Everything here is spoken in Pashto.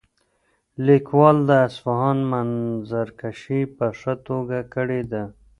لیکوال د اصفهان منظرکشي په ښه توګه کړې ده.